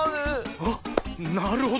あっなるほど。